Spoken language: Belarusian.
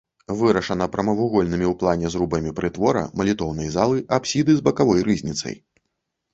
Вырашана прамавугольнымі ў плане зрубамі прытвора, малітоўнай залы, апсіды з бакавой рызніцай.